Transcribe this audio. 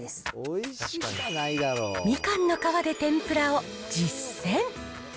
みかんの皮で天ぷらを実践。